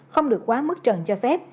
không được quá mức trần cho phép